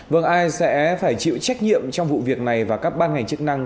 vâng ai sẽ phải chịu trách nhiệm trong vụ việc này và các ban ngành chức năng